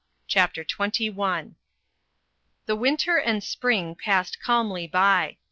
CHAPTER XXI The winter and spring passed calmly by.